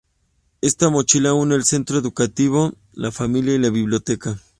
Esta mochila une el centro educativo, la familia y la biblioteca.